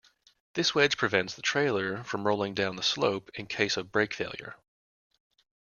This wedge prevents the trailer from rolling down the slope in case of brake failure.